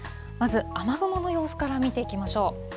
まず雨雲の様子から見ていきましょう。